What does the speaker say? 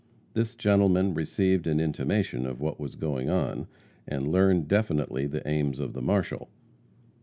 This gentleman received an intimation of what was going on, and learned definitely the aims of the marshal.